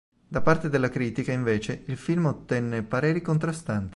Da parte della critica invece il film ottenne pareri contrastanti.